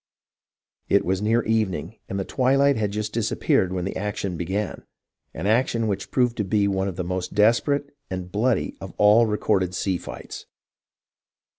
It was near evening, and the twilight had just disappeared when the action began, — an action which proved to be one of the most desperate and bloody of all recorded sea fights.